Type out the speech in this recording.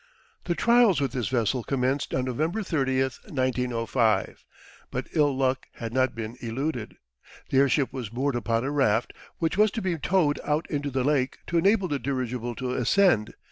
The trials with this vessel commenced on November 30th, 1905, but ill luck had not been eluded. The airship was moored upon a raft which was to be towed out into the lake to enable the dirigible to ascend.